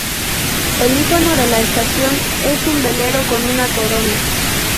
El ícono de la estación es un velero con una corona.